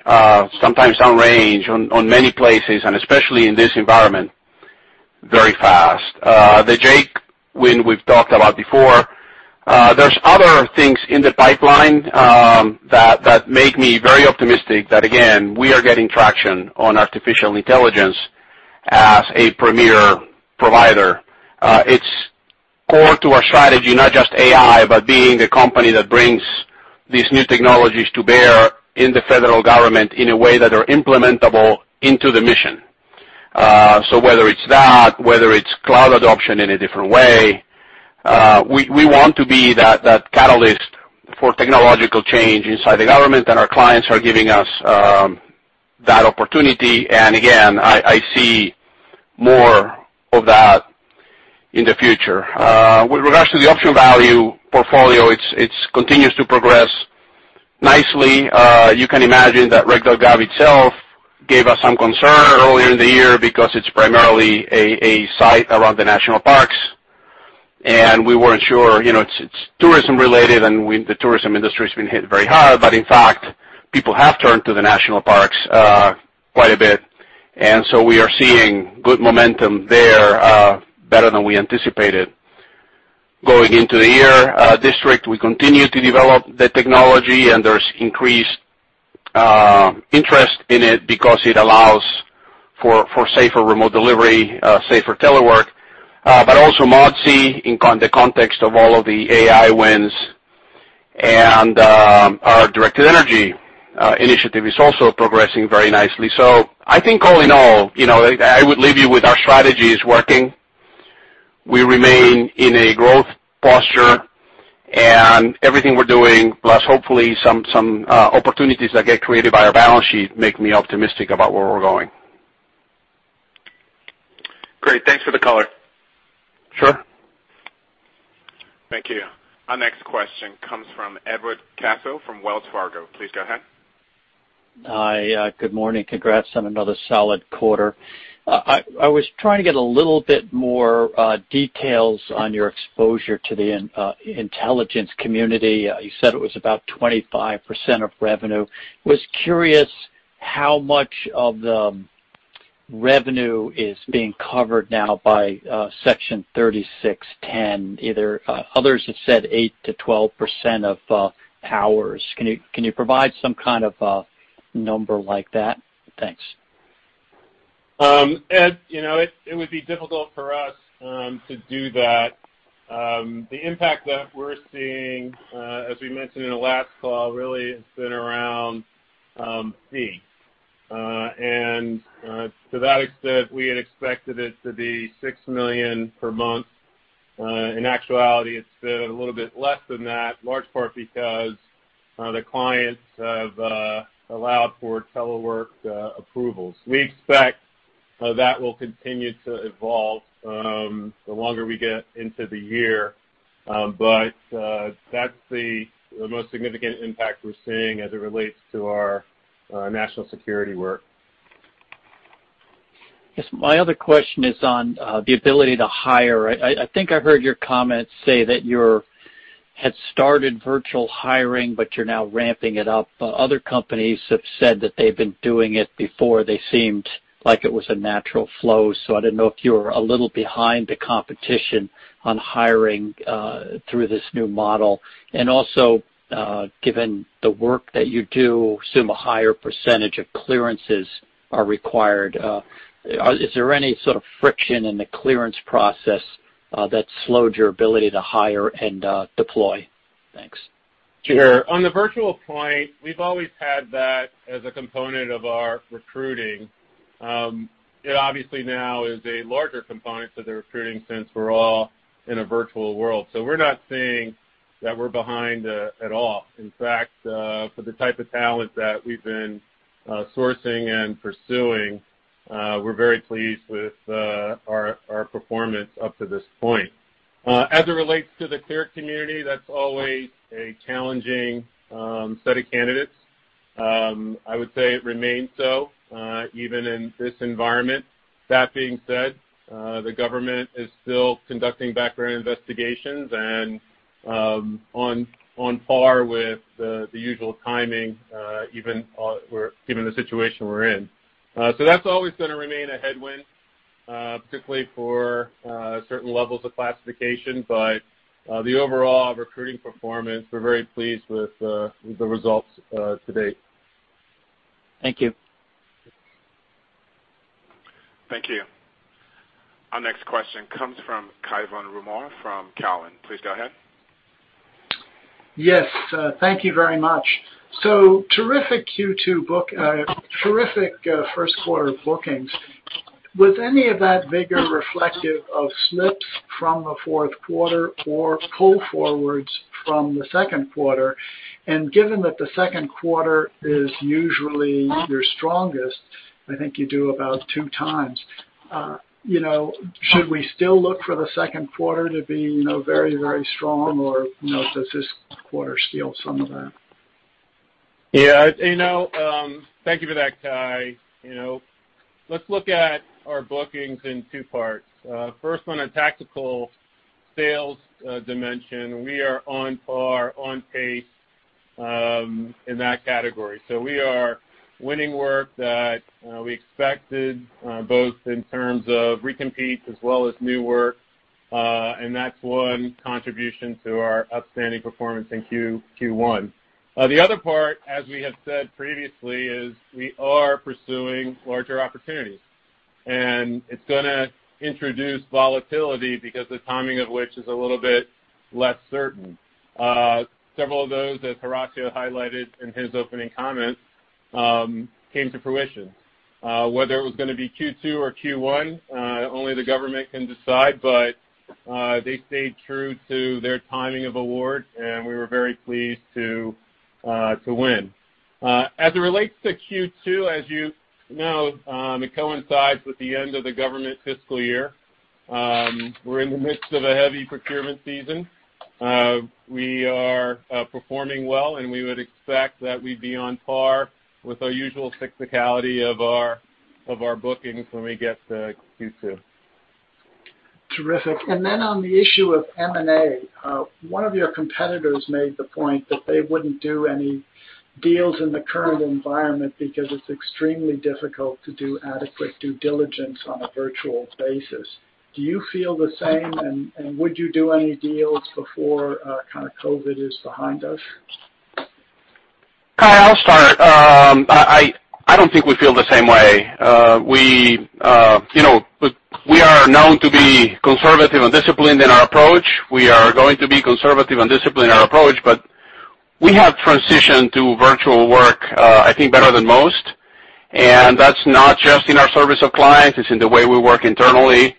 Speaker 3: sometimes on range, on many places, and especially in this environment, very fast. The JAIC win we've talked about before. There's other things in the pipeline that make me very optimistic that, again, we are getting traction on artificial intelligence as a premier provider. It's core to our strategy, not just AI, but being the company that brings these new technologies to bear in the federal government in a way that are implementable into the mission. So whether it's that, whether it's cloud adoption in a different way, we want to be that catalyst for technological change inside the government, and our clients are giving us that opportunity. And again, I see more of that in the future. With regards to the Option Value portfolio, it continues to progress nicely. You can imagine that Recreation.gov itself gave us some concern earlier in the year because it's primarily a site around the national parks. And we weren't sure it's tourism-related, and the tourism industry has been hit very hard. But in fact, people have turned to the national parks quite a bit. And so we are seeing good momentum there, better than we anticipated going into the year. District Defend, we continue to develop the technology, and there's increased interest in it because it allows for safer remote delivery, safer telework, but also Modzy in the context of all of the AI wins. And our Directed Energy initiative is also progressing very nicely. So I think all in all, I would leave you with our strategies working. We remain in a growth posture, and everything we're doing, plus hopefully some opportunities that get created by our balance sheet, make me optimistic about where we're going. Great. Thanks for the color. Sure.
Speaker 1: Thank you. Our next question comes from Edward Caso from Wells Fargo. Please go ahead.
Speaker 8: Hi. Good morning. Congrats on another solid quarter. I was trying to get a little bit more details on your exposure to the intelligence community. You said it was about 25% of revenue. I was curious how much of the revenue is being covered now by Section 3610. Others have said 8% to 12% of hours. Can you provide some kind of number like that? Thanks.
Speaker 4: It would be difficult for us to do that. The impact that we're seeing, as we mentioned in the last call, really has been around fee. And to that extent, we had expected it to be $6 million per month. In actuality, it's been a little bit less than that, large part because the clients have allowed for telework approvals. We expect that will continue to evolve the longer we get into the year. But that's the most significant impact we're seeing as it relates to our national security work.
Speaker 8: My other question is on the ability to hire. I think I heard your comments say that you had started virtual hiring, but you're now ramping it up. Other companies have said that they've been doing it before. They seemed like it was a natural flow. So I didn't know if you were a little behind the competition on hiring through this new model. And also, given the work that you do, assume a higher percentage of clearances are required. Is there any sort of friction in the clearance process that slowed your ability to hire and deploy? Thanks.
Speaker 4: Sure. On the virtual point, we've always had that as a component of our recruiting. It obviously now is a larger component to the recruiting since we're all in a virtual world. So we're not saying that we're behind at all. In fact, for the type of talent that we've been sourcing and pursuing, we're very pleased with our performance up to this point. As it relates to the clearance community, that's always a challenging set of candidates. I would say it remains so even in this environment. That being said, the government is still conducting background investigations and on par with the usual timing, given the situation we're in. So that's always going to remain a headwind, particularly for certain levels of classification. But the overall recruiting performance, we're very pleased with the results to date.
Speaker 8: Thank you.
Speaker 1: Thank you. Our next question comes from Cai von Rumohr from Cowen. Please go ahead.
Speaker 9: Yes. Thank you very much. So terrific Q2 book, terrific first quarter bookings. Was any of that vigor reflective of slips from the fourth quarter or pull forwards from the second quarter? And given that the second quarter is usually your strongest, I think you do about two times. Should we still look for the second quarter to be very, very strong, or does this quarter steal some of that?
Speaker 4: Yeah. Thank you for that, Cai. Let's look at our bookings in two parts. First, on a tactical sales dimension, we are on par, on pace in that category. So we are winning work that we expected both in terms of recompete as well as new work. And that's one contribution to our outstanding performance in Q1. The other part, as we have said previously, is we are pursuing larger opportunities. And it's going to introduce volatility because the timing of which is a little bit less certain. Several of those, as Horacio highlighted in his opening comments, came to fruition. Whether it was going to be Q2 or Q1, only the government can decide, but they stayed true to their timing of award, and we were very pleased to win. As it relates to Q2, as you know, it coincides with the end of the government fiscal year. We're in the midst of a heavy procurement season. We are performing well, and we would expect that we'd be on par with our usual cyclicality of our bookings when we get to Q2.
Speaker 9: Terrific. And then on the issue of M&A, one of your competitors made the point that they wouldn't do any deals in the current environment because it's extremely difficult to do adequate due diligence on a virtual basis. Do you feel the same, and would you do any deals before kind of COVID is behind us?
Speaker 3: Cai, I'll start. I don't think we feel the same way. We are known to be conservative and disciplined in our approach. We are going to be conservative and disciplined in our approach, but we have transitioned to virtual work, I think, better than most. And that's not just in our service of clients. It's in the way we work internally.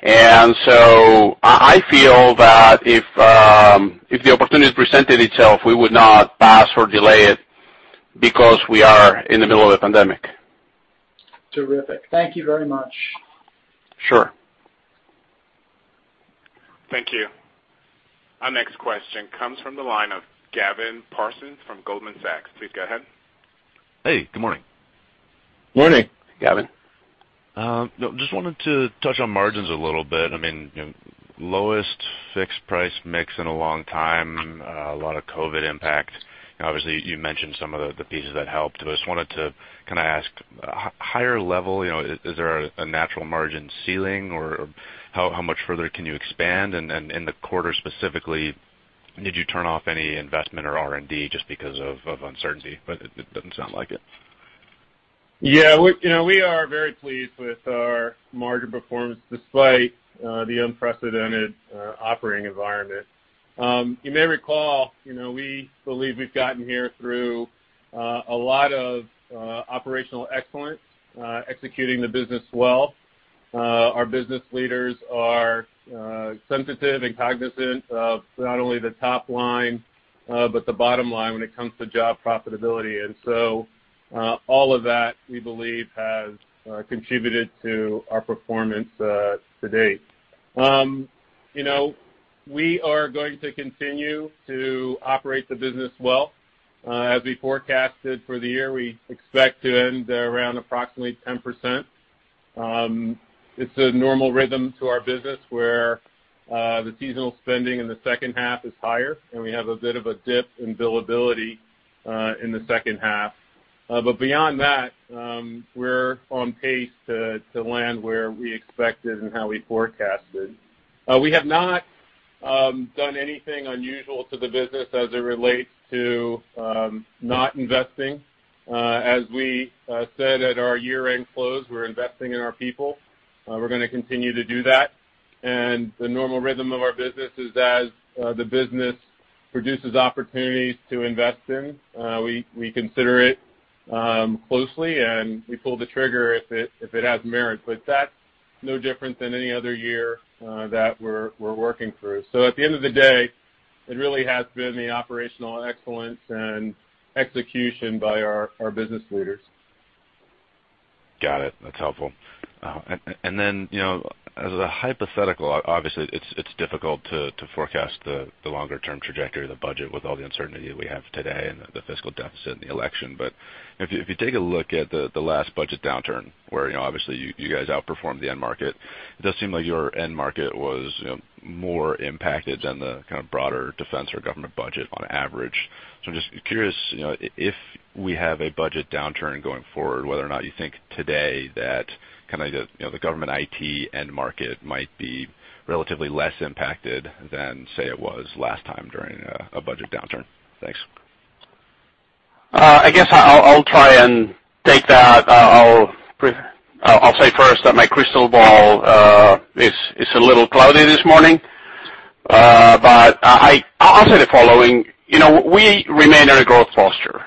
Speaker 3: And so I feel that if the opportunity presented itself, we would not pass or delay it because we are in the middle of a pandemic.
Speaker 9: Terrific. Thank you very much.
Speaker 3: Sure.
Speaker 1: Thank you. Our next question comes from the line of Gavin Parsons from Goldman Sachs. Please go ahead.
Speaker 10: Hey, good morning. Morning, Gavin. Just wanted to touch on margins a little bit. I mean, lowest fixed price mix in a long time, a lot of COVID impact. Obviously, you mentioned some of the pieces that helped. I just wanted to kind of ask, higher level, is there a natural margin ceiling, or how much further can you expand? And in the quarter specifically, did you turn off any investment or R&D just because of uncertainty? But it doesn't sound like it.
Speaker 4: Yeah. We are very pleased with our margin performance despite the unprecedented operating environment. You may recall we believe we've gotten here through a lot of operational excellence, executing the business well. Our business leaders are sensitive and cognizant of not only the top line but the bottom line when it comes to job profitability. And so all of that, we believe, has contributed to our performance to date. We are going to continue to operate the business well. As we forecasted for the year, we expect to end around approximately 10%. It's a normal rhythm to our business where the seasonal spending in the second half is higher, and we have a bit of a dip in billability in the second half. But beyond that, we're on pace to land where we expected and how we forecasted. We have not done anything unusual to the business as it relates to not investing. As we said at our year-end close, we're investing in our people. We're going to continue to do that. And the normal rhythm of our business is as the business produces opportunities to invest in. We consider it closely, and we pull the trigger if it has merit. But that's no different than any other year that we're working through. So at the end of the day, it really has been the operational excellence and execution by our business leaders.
Speaker 10: Got it. That's helpful. And then as a hypothetical, obviously, it's difficult to forecast the longer-term trajectory of the budget with all the uncertainty that we have today and the fiscal deficit and the election. But if you take a look at the last budget downturn, where obviously you guys outperformed the end market, it does seem like your end market was more impacted than the kind of broader defense or government budget on average. So I'm just curious, if we have a budget downturn going forward, whether or not you think today that kind of the government IT end market might be relatively less impacted than, say, it was last time during a budget downturn. Thanks.
Speaker 3: I guess I'll try and take that. I'll say first that my crystal ball is a little cloudy this morning. But I'll say the following. We remain in a growth posture.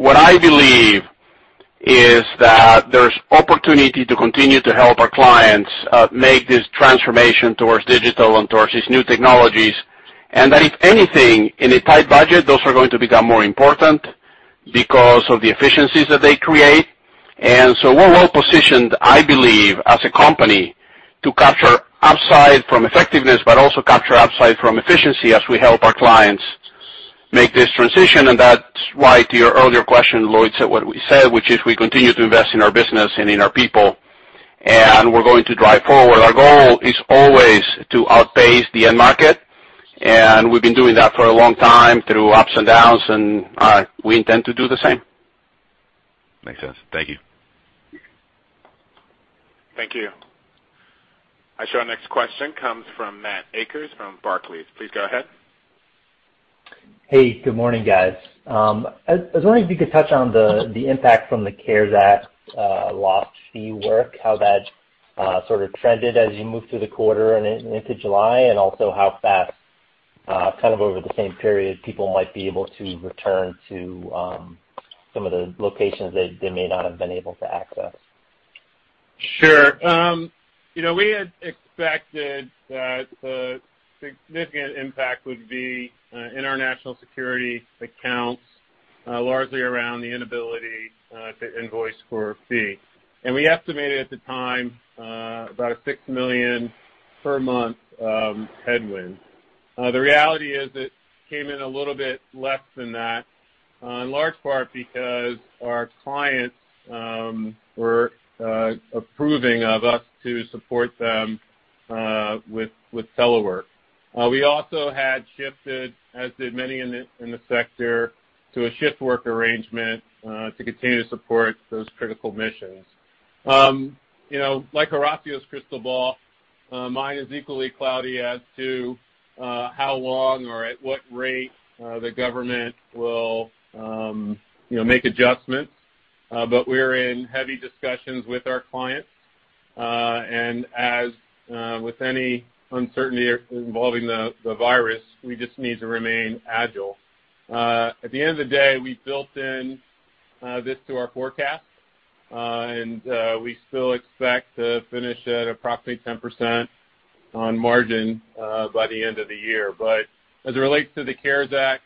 Speaker 3: What I believe is that there's opportunity to continue to help our clients make this transformation towards digital and towards these new technologies. And that if anything, in a tight budget, those are going to become more important because of the efficiencies that they create. And so we're well positioned, I believe, as a company to capture upside from effectiveness, but also capture upside from efficiency as we help our clients make this transition. And that's why, to your earlier question, Lloyd said what we said, which is we continue to invest in our business and in our people, and we're going to drive forward. Our goal is always to outpace the end market. And we've been doing that for a long time through ups and downs, and we intend to do the same.
Speaker 10: Makes sense. Thank you.
Speaker 1: Thank you. Our next question comes from Matt Akers from Barclays. Please go ahead.
Speaker 11: Hey, good morning, guys. I was wondering if you could touch on the impact from the CARES Act lost fee work, how that sort of trended as you moved through the quarter and into July, and also how fast, kind of over the same period, people might be able to return to some of the locations they may not have been able to access.
Speaker 4: Sure. We had expected that the significant impact would be in our national security accounts, largely around the inability to invoice for fee. And we estimated at the time about a $6 million per month headwind. The reality is it came in a little bit less than that, in large part because our clients were approving of us to support them with telework. We also had shifted, as did many in the sector, to a shift work arrangement to continue to support those critical missions. Like Horacio's crystal ball, mine is equally cloudy as to how long or at what rate the government will make adjustments. But we're in heavy discussions with our clients. And as with any uncertainty involving the virus, we just need to remain agile. At the end of the day, we built in this to our forecast, and we still expect to finish at approximately 10% on margin by the end of the year. But as it relates to the CARES Act,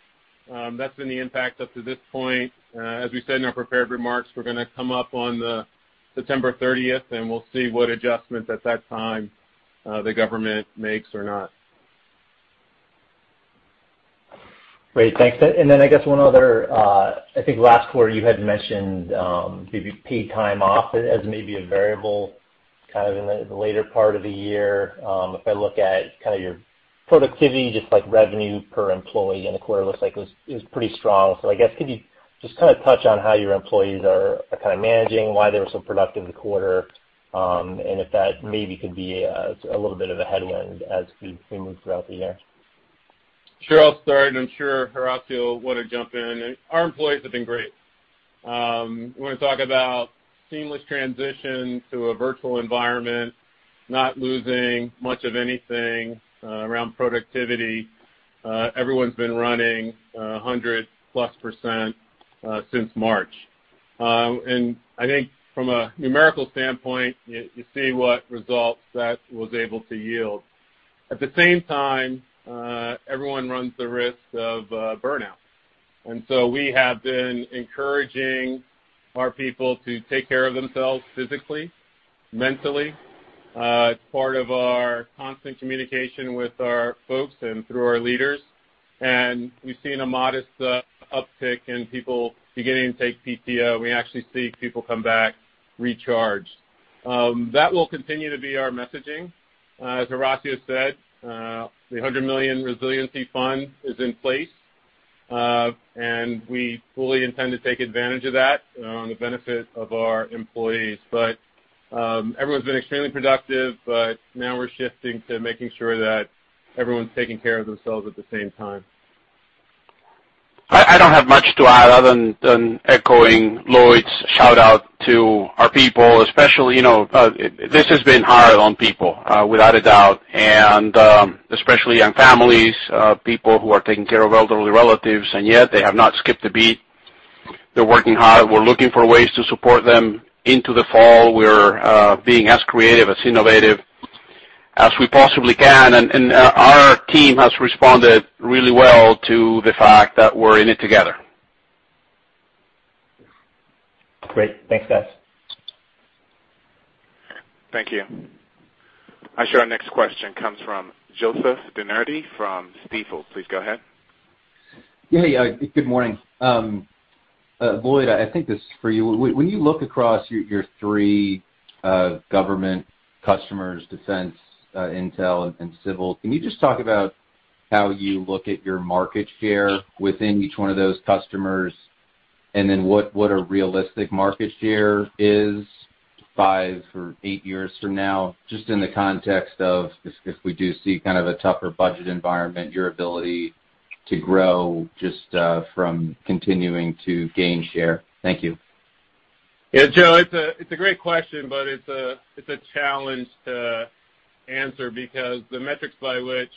Speaker 4: that's been the impact up to this point. As we said in our prepared remarks, we're going to come up on the September 30th, and we'll see what adjustments at that time the government makes or not.
Speaker 11: Great. Thanks. Then I guess one other. I think last quarter, you had mentioned maybe paid time off as maybe a variable kind of in the later part of the year. If I look at kind of your productivity, just like revenue per employee in the quarter, it looks like it was pretty strong. So I guess could you just kind of touch on how your employees are kind of managing, why they were so productive the quarter, and if that maybe could be a little bit of a headwind as we move throughout the year?
Speaker 4: Sure. I'll start, and I'm sure Horacio wanted to jump in. Our employees have been great. We want to talk about seamless transition to a virtual environment, not losing much of anything around productivity. Everyone's been running 100-plus% since March. I think from a numerical standpoint, you see what results that was able to yield. At the same time, everyone runs the risk of burnout. So we have been encouraging our people to take care of themselves physically, mentally. It's part of our constant communication with our folks and through our leaders. We've seen a modest uptick in people beginning to take PTO. We actually see people come back recharged. That will continue to be our messaging. As Horacio said, the $100 million Resiliency Fund is in place, and we fully intend to take advantage of that on the benefit of our employees. Everyone's been extremely productive, but now we're shifting to making sure that everyone's taking care of themselves at the same time.
Speaker 3: I don't have much to add other than echoing Lloyd's shout-out to our people, especially. This has been hard on people, without a doubt, and especially young families, people who are taking care of elderly relatives, and yet they have not skipped a beat. They're working hard. We're looking for ways to support them into the fall. We're being as creative, as innovative as we possibly can, and our team has responded really well to the fact that we're in it together.
Speaker 11: Great. Thanks, guys.
Speaker 1: Thank you. I'm sure our next question comes from Joseph DeNardi from Stifel. Please go ahead.
Speaker 12: Yeah. Good morning. Lloyd, I think this is for you. When you look across your three government customers: defense, intel, and civil, can you just talk about how you look at your market share within each one of those customers and then what a realistic market share is five or eight years from now, just in the context of if we do see kind of a tougher budget environment, your ability to grow just from continuing to gain share? Thank you.
Speaker 4: Yeah, Joe, it's a great question, but it's a challenge to answer because the metrics by which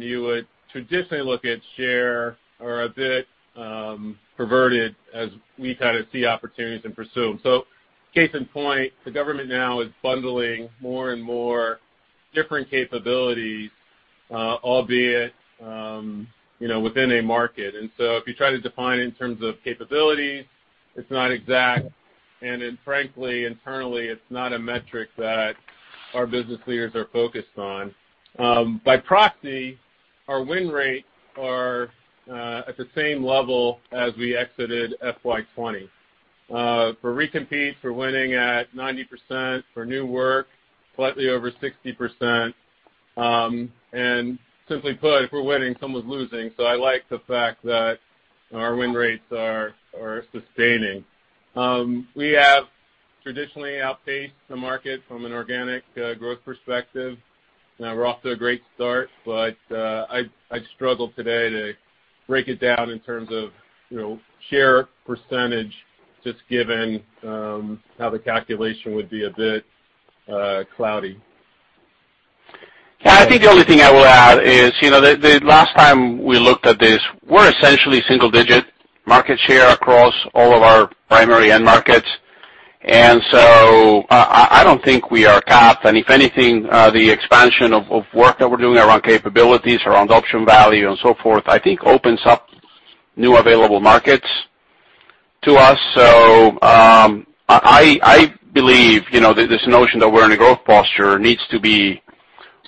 Speaker 4: you would traditionally look at share are a bit perverted as we kind of see opportunities and pursue them. So case in point, the government now is bundling more and more different capabilities, albeit within a market, and so if you try to define it in terms of capabilities, it's not exact. Frankly, internally, it's not a metric that our business leaders are focused on. By proxy, our win rates are at the same level as we exited FY20. For recompete, for winning at 90%, for new work, slightly over 60%. Simply put, if we're winning, someone's losing. I like the fact that our win rates are sustaining. We have traditionally outpaced the market from an organic growth perspective. We're off to a great start, but I struggled today to break it down in terms of share percentage, just given how the calculation would be a bit cloudy.
Speaker 3: Yeah. I think the only thing I will add is the last time we looked at this, we're essentially single-digit market share across all of our primary end markets. So I don't think we are capped. And if anything, the expansion of work that we're doing around capabilities, around option value, and so forth, I think opens up new available markets to us. So I believe this notion that we're in a growth posture needs to be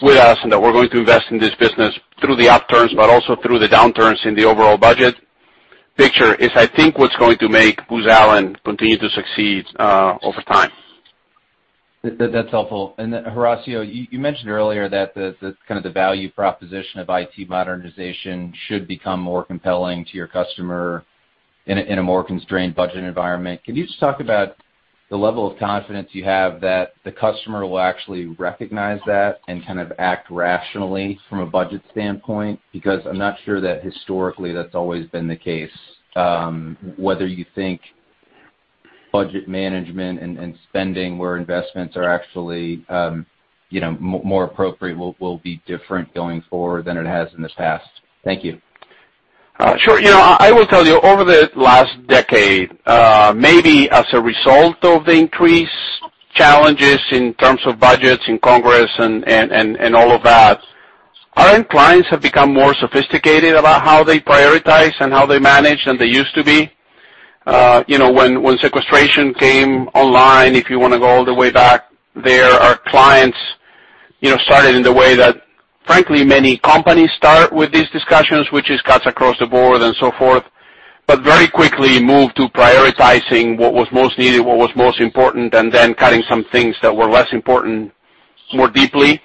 Speaker 3: with us and that we're going to invest in this business through the upturns, but also through the downturns in the overall budget picture is, I think, what's going to make Booz Allen continue to succeed over time.
Speaker 12: That's helpful. And Horacio, you mentioned earlier that kind of the value proposition of IT modernization should become more compelling to your customer in a more constrained budget environment. Can you just talk about the level of confidence you have that the customer will actually recognize that and kind of act rationally from a budget standpoint? Because I'm not sure that historically that's always been the case, whether you think budget management and spending where investments are actually more appropriate will be different going forward than it has in the past. Thank you.
Speaker 3: Sure. I will tell you, over the last decade, maybe as a result of the increased challenges in terms of budgets in Congress and all of that, our end clients have become more sophisticated about how they prioritize and how they manage than they used to be. When sequestration came online, if you want to go all the way back there, our clients started in the way that, frankly, many companies start with these discussions, which is cuts across the board and so forth, but very quickly moved to prioritizing what was most needed, what was most important, and then cutting some things that were less important more deeply.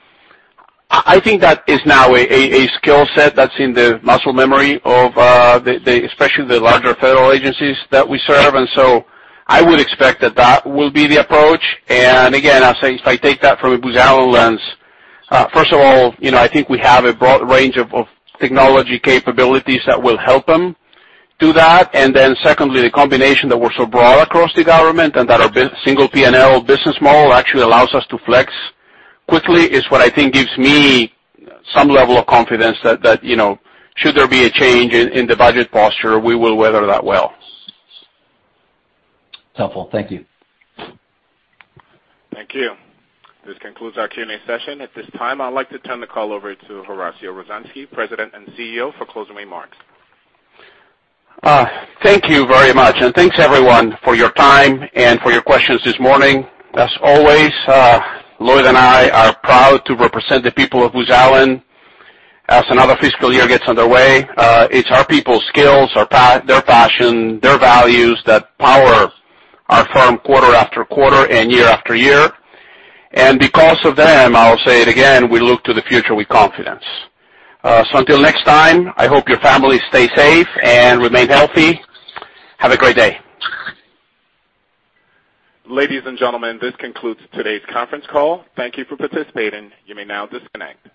Speaker 3: I think that is now a skill set that's in the muscle memory of especially the larger federal agencies that we serve, and so I would expect that that will be the approach, and again, if I take that from a Booz Allen lens, first of all, I think we have a broad range of technology capabilities that will help them do that, and then secondly, the combination that we're so broad across the government and that our single P&L business model actually allows us to flex quickly is what I think gives me some level of confidence that should there be a change in the budget posture, we will weather that well.
Speaker 12: Helpful. Thank you.
Speaker 1: Thank you. This concludes our Q&A session. At this time, I'd like to turn the call over to Horacio Rozanski, President and CEO, for closing remarks.
Speaker 3: Thank you very much. Thanks, everyone, for your time and for your questions this morning. As always, Lloyd and I are proud to represent the people of Booz Allen as another fiscal year gets underway. It's our people's skills, their passion, their values that power our firm quarter after quarter and year after year. Because of them, I'll say it again, we look to the future with confidence. Until next time, I hope your families stay safe and remain healthy. Have a great day.
Speaker 1: Ladies and gentlemen, this concludes today's conference call. Thank you for participating. You may now disconnect.